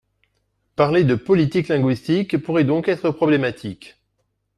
Parler de, politique linguistique, pourrait donc être problématique.